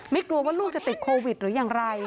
กลัวว่าลูกจะติดโควิดหรืออย่างไร